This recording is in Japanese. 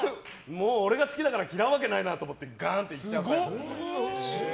もう俺が好きだから嫌われるわけないなと思ってがーんっていっちゃう。